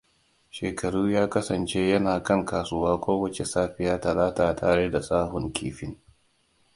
Shekaru ya kasance yana kan kasuwa kowace safiya Talata tare da sahun kifin.